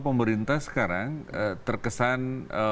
pemerintah sekarang terkesan